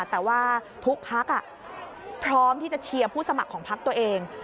แต่ว่าทุกพักพร้อมที่จะเชียร์ผู้สมัครของพักตัวเอง